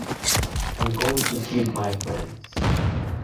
I'm going to keep my friends.